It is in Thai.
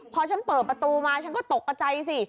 พอฉันเปิดประตูมาฉันก็ตกกระใจสิ